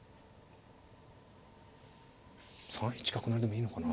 ３一角成でもいいのかな。